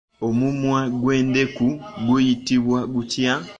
Omumwa gw'endeku guyitibwa gutya?